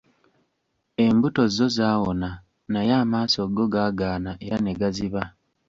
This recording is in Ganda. Embuto zo zaawona naye amaaso go gaagaana era ne gaziba.